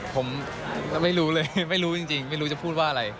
ผมไม่รู้เลยไม่รู้จริงไม่รู้จะพูดว่าอะไร